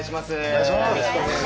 お願いします。